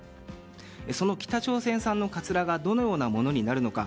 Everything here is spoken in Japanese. その北朝鮮産のかつらがどのようなものになるのか。